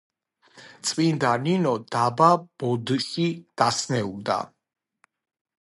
წმიდა ნინო დაბა ბოდში დასნეულდა.